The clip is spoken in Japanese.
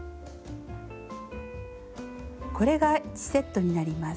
これが１セットになります。